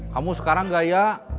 kamu sekarang gak ya